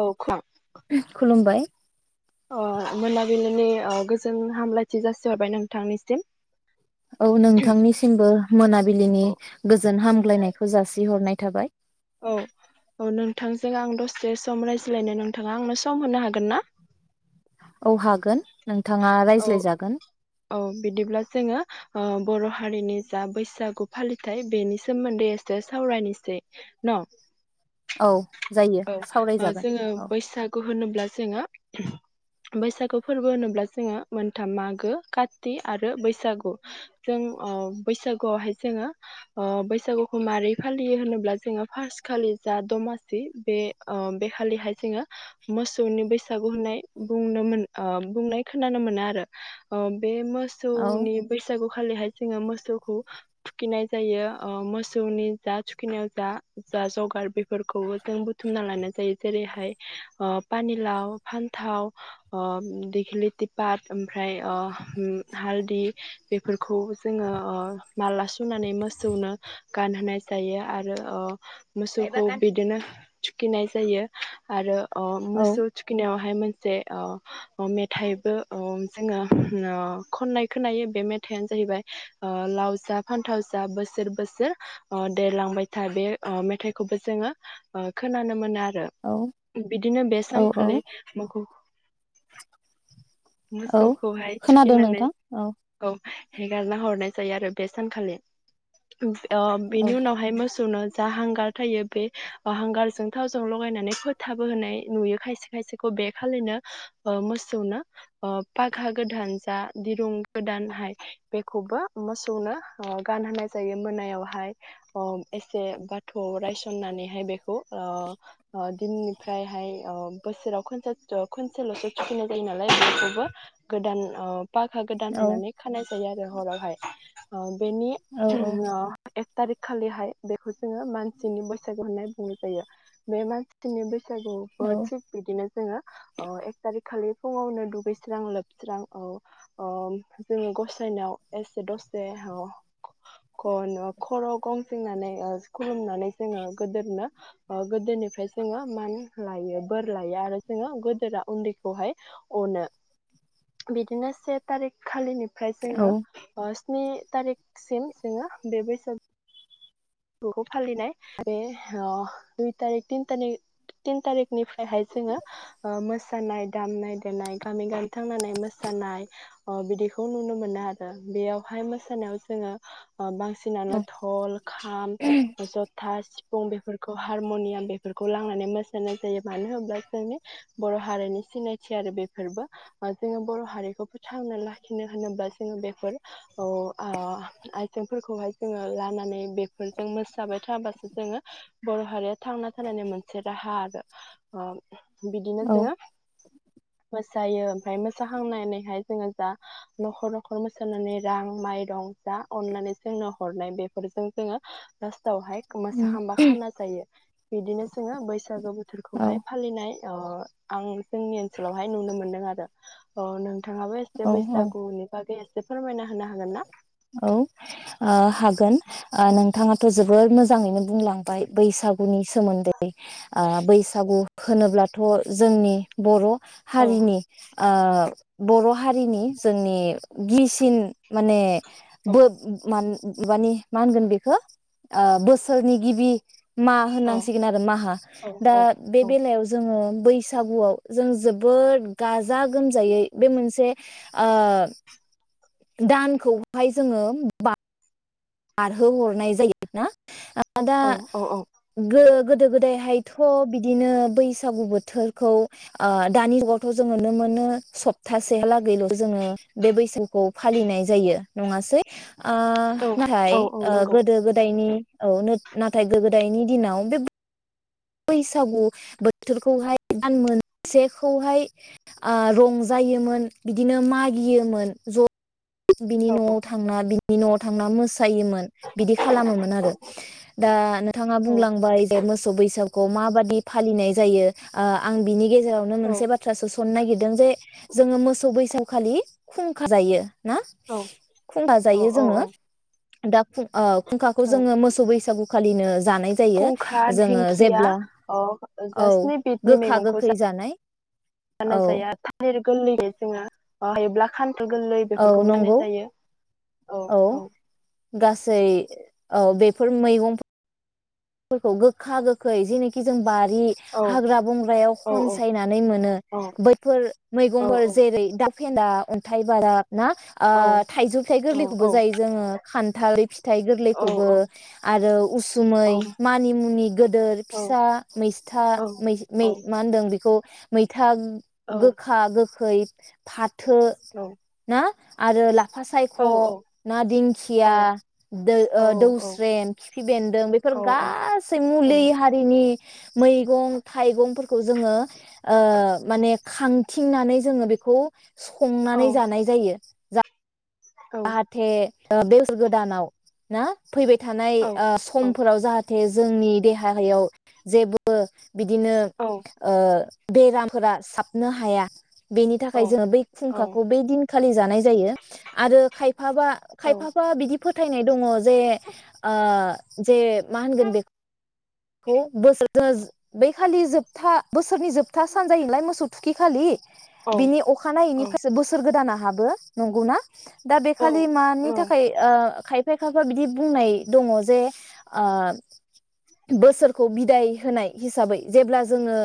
औ खुलुमबाय अ मोनाबिलिनि अ गोजोन हामलायथि जासिहरबाय नोंथांनिसिम। औ नोंथांनिसिमबो मोनाबिलिनि औ गोजोन हामग्लायनायखौ जासिहरनाय थाबाय औ औ नोंथांजों आं दसे सम रायज्लायनो नोंथाङा आंनो सम होनो हागोन ना? औ हागोन नोंथाङा औ रायज्लायजागोन औ बिदिब्ला जोङो ओ बर' हारिनि जा बैसागु फालिथाय बेनि सोमोन्दै एसे सावरायनोसै न'? औ जायो औ सावरायजागोन ओजोङो औ बैसागु होनोब्ला जोङो बैसागु फोरबो होनोब्ला जोङो मोनथाम मागो काति आरो बैसागु जों ओ बैसागुआवहाय जोङो बैसागुखौ माबै फालियो होनोब्ला जोङो फार्स्ट खालि जा दमासि बे ओ बेखालिहाय जोङो मोसौनि बैसागु होननाय बुंनो मोन अ बुंनाय खोनानो मोनो आरो अ बे औ मोसौनि बैसागु खालिहाय जोङो मोसौखौ थुखिनाय जायो ओ मोसौनि जा थुखिनायाव जा जा जगार बेफोरखौबो जों बुथुमना लानाय जायो जेरैहाय ओ पानिलाव फान्थाव ओ दिग्लि तिपात ओमफ्राय ओ हालदि बेफोरखौ जोङो ओ माला सुनानै मोसौनो गानहोनाय जायो आरो ओ मोसौखौ बिदिनो थुखैनाय जायो आरो अ औ मोसौ थुखैनायावहाय जे ओ मेथाइबो अ जोङो अ खननाय खोनायो बे मेथाइनो जाहैबाय अ लाव जा फान्थाव जा बोसोर बोसोर अ देरलांबाय था अ बे मेथाइखौबो जोङो अ खोनानो मोनो आर औ आरो बिदिनो बे औ सानखालि मोखौ औ मोसौखौहाय खोनादों थुखिनानै नोंथां औ। हेगारना हरनाय जायो आरो बे सानखालि ओ औ बेनि उनावहाय मोसौनो जा हांगार थायो बे अ हांगार जों थावजों लगायनानै फोथाबो होनाय नुयो। खायसे खायसेखौ बे खालिनो ओ मोसौनो अ फागा गोदान जा दिरुं गोदानहाय बेखौबो मोसौनो अ गानहोनाय जायो मोनायावहाय अ एसे बाथौवाव रायसननानैहाय बेखौ अ अ दिननिफ्रायहाय अ। बोसोराव खनसेसथ खनसेल'सो थुखैनाय जायो नालाय बेखौबो गोदान अ फागा गोदान औ होननानै खानाय जायो आरो हरावहाय अ बेनि औ औ अ थारिख खालिहाय बेखौ जोङो मानसिनि बैसागु होन [unintelligible] जायो बे मानसि [unintelligible] नि बै सागुआवबो औ थिग बिदिनो जोङो ओ एक थारिख खालि फुङावनो दुगैस्रां लोबस्रां अ अ जोङो गसायनायाव एसे दसे अ ख न खर' गंफिननानै ओ खुलुमनानै जोङो गोदोरनो अ‌ गोदोनिफ्राय जोङो मान लायो बोर लायो आरो जोङो गोदोरा उन्दैखौहाय अनो बिदिनो से थारिख खालि ओमफ्राय औ जोङो स्नि थारिखसिम जोङो बे बैसाग फोरबोखौ फालिनाय बे ओ दुइ तारिख तिन थारि तिन थारिखनिफ्रायहाय जोङो ओ मोसानाय दामनाय देनाय गामि गामि थांनानै मोसानाय अ बिदिखौ नुनो मोनो आरो बेयावहाय मोसानायाव जोङो बांसिनानो थल [unintelligible] खाम जथा सि बेफोरखौ हारमनियाम बेफोरखौ लांनानै मोसानाय जायो मानो होनोब्ला जोंनि बर' हारिनि सिनायथि आरो बेफोरबो जोङो बर' हारिखौ फोथांना लाखिनो होनोब्ला जोङो बेफोर अ आ आइजेंफोरखौहाय जोङो लानानै बे बेफोरजों मोसाबाय थाबासो जोङो बर' हारिया थांना थानायनि मोनसे राहा आरो अ बिदिनो औ जोङो मोसायो ओमफ्राय मोसाहांनानैहाय जोङो जा न'खर न'खर मोसानानै रां माइरं जा अननानै जोंनो हरनाय बेफोरजों जोङो [inaudible] आवहाय मोसा खांबा खाना जायो बिदिनो जोङो बैसागु बोथोरखौहाय फालिनाय अ आं जोंनि ओनसोलावहाय नुनो मोनदों आरो अ थाङाबो एसे बैसागुनि बागै ए से फोरमाय औ आ हागोन। आ नोंथाङाथ' जोबोर मोजाङैनो बुंलांबाय बैसागुनि सोमोन्दै आ‌ बैसागु होनोब्लाथ' जोंनि बर' औ हारिनि आ बर' हारिनि जोंनि गिसिन माने औ बो मान इ बानि मा होनगोन बेखौ ओ बोसोरनि गिबि मा औ होननांसिगोन आरो माहा औ दा औ बे बेलायाव जोङो बैसागुआव जों जोबोद गाजा गोमजायै बे मोनसे ओ दानखौहाय जोङो बा बारहो हरनाय जायो ना? आदा औ गो गोदो गोदायहायथ' बिदिनो बैसागु बोथोरखौ ओ दानि जुगावथ' जों नुनो मोनो सप्तासे लागैल' जोङो बे बैसगुखौ फालिनाय जायो नङासै आ औ नाथाय औ औ ओ नंगौ गोदो गोदायनि औ नो नाथाय गो गोदायनि दिनाव बे बैसागु बोथोरखौहाय दान मोनसेखौहाय आ रंजायोमोन बिदिनो मागियोमोन ज' बिनि न'आव थांना बिन न'आव थांना मोसायोमोन बिदि औ खालामोमोन आरो दा नोंथाङा औ बुंलांबाय जे मोसौ बैसागखौ माबादि फालिनाय जायो ओ आं बिनि गेज जेरावनो औ मोनसे बाथ्रा सोसननो नागिरदों जे जोङो मोस सौ बैसागु खालि खुंखा जायो। ना औ खुंखा औ जायो औ औ जोङो। दा खुं ओ खुंखाखौ औ जोङो मोसौ बैसागु खालिनो फुंखा दिंखिया ओ [unintelligible] औ गोखा गोखै जानाय औ थालिर [inaudible] गोरलै औ बेफोरखौबो होनाय नंगौ जायो औ गास सै औ बेफोर मैगं फोरखौ गोखा गोखै जेनिखि जों बारि औ हाग्रा बंग्रायाव औ खनसायनानै मोनो औ बैफोर औ मैगंफोर जेरै फेन्दा अन्थाइ बाजाब ना आ औ थाइजौ थायाइ औ गोरलैखौबो जायो जोङो खान थालि फि थाइ औ गोरलैखौबो आरो उसुमै औ मानि मुनि गोदोर फिसा मैसथा औ मा औ होनदों बेखौ मैथा औ गोखा गोखै गोखै फाथो ना आरो लाफा सायख' औ औ ना औ दिंखिया ओ दौस्रेम खिफि बेन्दों औ बेफोर गासै मुलि हारिनि मैगं थाइगंफोरखौ जोङो ओ माने खांथिंनानै जोङो बेखौ संनानै औ जानाय जायो जाहाथे बोसोर गोदानाव ना फैबाय थानाय ओ समफोराव जाहाथे जाहाथे जोंनि देहायाव जेबो बिदिनो ओ बेरामफोरा साबनो हाया बेनि थाखाय जोङो बै फुंखाखौ बै दिनखालि जानाय जायो आरो खायफाबा खायफाबा बिदि फोथायनाय दङ जे आ जे मा होनगोन बेखौ बै खालि जोबथा बोसोरनि जोबथा सान जायो नालाय मोसौ थुखि खालि बिनि अखानायैनिफ्रायसो बोसोर गोदाना हाबो नंगौना दा बेखालि औ मानि थाखाय ओ खायफा खायफा बिदि बुंनाय दङ जे ओ बोसोरखौ बिदाय होनाय हिसाबै जेब्ला जोङो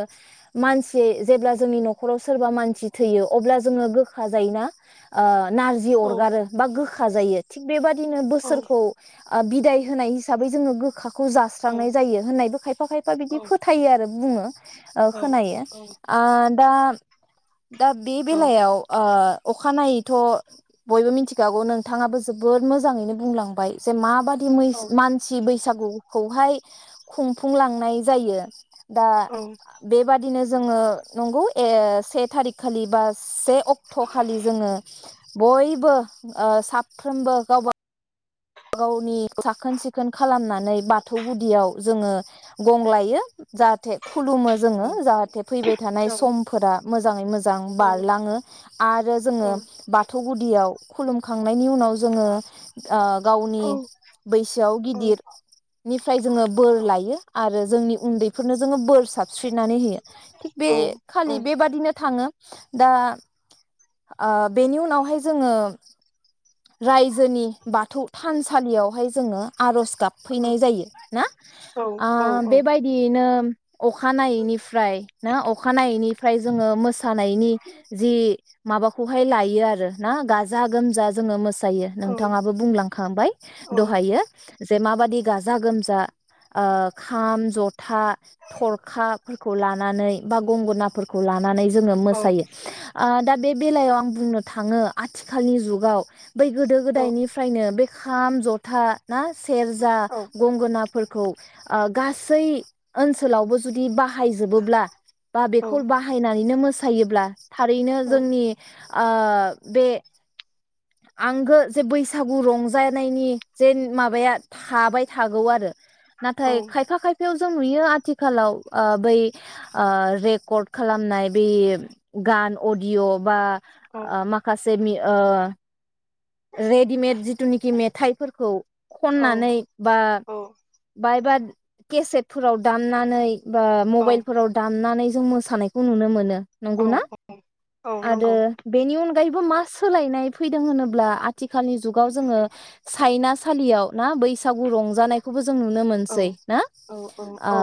मानसि जेब्ला जोंनि न'खराव सोरबा मानसि थैयो अब्ला जोङो गोखा जायोना जि औ अरगारो बा गोखा जायो थिग बेबादिनो औ बोसोरखौ ओ बिदाय होनाय हिसाबै जोङो गोखाखौ खौ जास्रांनाय जायो होननायबो खायफा खायफा बिदि फोथायो आरो बुङो ओ खोनायो दा [inaudible] दा बे बेलायाव ओ अखानायैथ' बयबो मिथिखागौ नोंथाङाबो जोबोद मोजाङैनो बुंलांबाय जे माबादि [unintelligible] मानसि बैसागु खौहाय खुंफुंलांनाय जायो दा बेबादिनो जोङो नंगौ से थारिख खालि बा से अक्ट' खालि जोङो बयबो ओ साफ्रोमबो गावबा गावनि साखोन सिखोन खालामनानै बाथौ गुदियाव जोङो गंलायो जाहाथे खुलुमो जोङो जाहाथे फैबाय थानाय समफोरा मोजाङै मोजां जां बारलाङो आरो जोङो बाथौ जौ गुदियाव खुलुम खां नायनि उनाव जोङो ओ गावनि बैसोआव गिदिरनिफ्राय जोङो बोर लायो। आरो जोंनि उन्दै बेफोरनो जोङो बोर साबस्रिनानै होयो थिग बे खालि बेबादिनो थाङो। दा ओ बेनि उनावहाय जोङो रायजोनि बाथौ थानसालियावहाय जोङो आर'ज गाबफैनाय जायो ना आ बेबायदियैनो अखानायैनिफ्राय ना अखानायैनिफाय जोङो मोसानायनि जि माबाखौहाय लायो आरो ना गाजा गोमजा जोङो मोस सायो नोंथाङाबो बुंलांखांबाय दहायो। जे माबादि गाजा गोमजा ओ खाम जथा थरखाफोरखौ लानानै बा गंगोनाफोरखौ लानानै जोङो औ मोसायो आ दा बे बेलायाव आं बुंनो थाङो आथिखालनि जुगाव बै गोदो गोदायनिफ्रायनो बे खाम, जथा ना सेरजा, औ गंगोनाफोर खौ ओ गासै ओनसोलावबो जुदि बा बाहायजोबोब्ला बा बेखौ बाहायनानैनो मो सायोब्ला थारैनो जोंनि आ बे आंगो जे बैसागु रंजानायनि जे माबाया थाबाय थागौ आरो। नाथाय खायफा खाय बेव जों नुयो आथिखालाव ओ बै ओ रेकर्ड खालामनाय बै गान अडिय' बा आ माखास जेमि ओ रेडिमेड जिथुनिखि मेथाइफोरखौ खननानै बा बायबा केसेटफोराव दामनानै बा मबाइलफोराव दामनानै जों मोसानायखौ नुनो मोनो औ नंगौना औ आरो नंगौ बेनि अन गायैबो मा सोलायनाय फैदों होनोब्ला आ थिखालनि जुगाव जोङो चाइना सालियाव ना बैसागु रंजानायखौबो जों नुनो औ मोनसै ना औ औ औ आ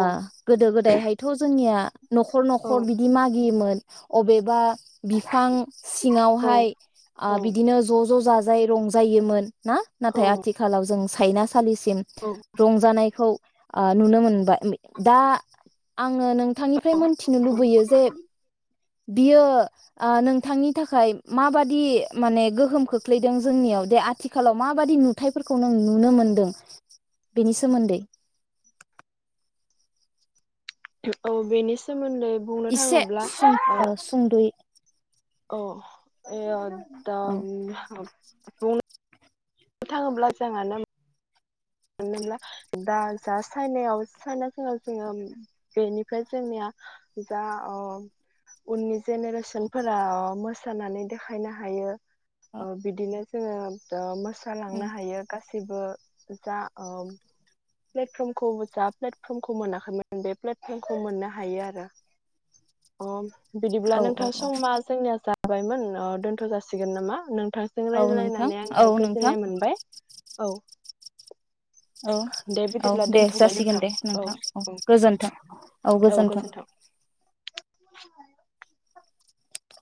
गोदो गोदायहायथ' जोंनिया न'खर औ न'खर बिदि मागियोमोन। अबेबा बिफां सिङावहाय आबि ज ज जाजायै रंजायोमोन। ना औ नाथाय आथिखालाव जों फाइना खालिसिम रंजानायखौ ओ नुनो मोनबाय दा आं आङो नोंथांनिफ्राय मोनथिनो लुबैयो जे बियो नोंथांनि थाखाय माबादि माने गोहोम खोख ख्लैदों जोंनियाव दे आथि खालाव माबादि नुथाइफोरखौ नों नुनो मोनदों बेनि सोमोन्दै औ बेनि सो इसे सुं-सुंदयै अ ए अ दा औ उम बुंनो नो थाङोब्ला जोंहानो मानोला दा जा सायनायाव सायनााव जोङो बेनिफ्राय जोंनिया जा ओ उननि जेनेरेसनफोरा मोसानानै देखायनो हायो अ बिदिनो जोङो मोसा उम लांनो हायो गासैबो जा प्लेटफर्मखौ जा प्लेटफर्मखौ मोनाखैमोन बे प्लेटफर्मखौ मोननो हायो आरो। बिदिब्ला औ औ नोंथां औ समा जोंनि जा बायमोन ओ दोन्थ जासिगोन नामा नों थांजों औ नोंथां रायज्लायनानै औ आङो नोंथां गोजोननाय मोनबाय औ औ औ दे जासिगोन दे नोंथां औ गोजोनथों औ गोजोन्थों थ [unintelligible]